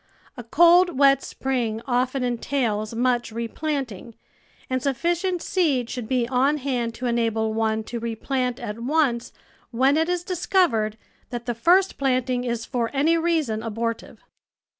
A cold, wet spring often entails much replanting, and sufficient seed should be on hand to enable one to replant at once when it is discovered that the first planting is for any reason abortive.